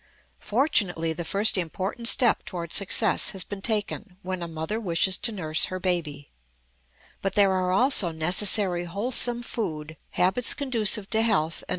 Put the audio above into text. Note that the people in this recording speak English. Fortunately the first important step toward success has been taken when a mother wishes to nurse her baby; but there are also necessary wholesome food, habits conducive to health, and a mind free from worry.